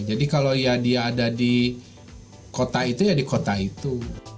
jadi kalau ya dia ada di kota itu ya di kota itu